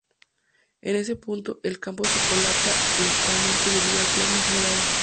En este punto, el campo se colapsa localmente debido al plasma generado.